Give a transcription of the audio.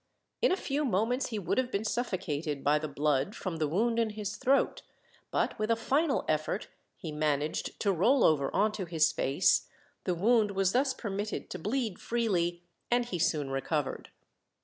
In a few moments he would have been suffocated by the blood from the wound in his throat, but with a final effort he managed to roll over on to his face, the wound was thus permitted to bleed freely, and he soon recovered.